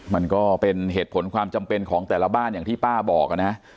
มันก็เป็นเหตุผลความจำเป็นของแต่ละบ้านอย่างที่ป้าบอกนะ